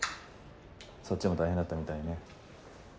そっちも大変だったみたいね。